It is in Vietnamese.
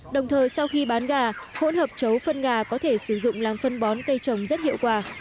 đồng thời sau khi bán gà hỗn hợp chấu phân gà có thể sử dụng làm phân bón cây trồng rất hiệu quả